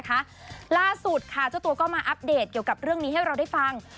ล่าสุดค่ะเจ้าตัวก็มาอัปเดตเกี่ยวกับเรื่องนี้ให้เราได้ฟัง